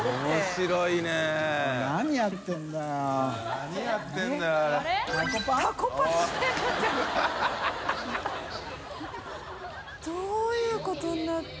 片瀬）どういうことになって？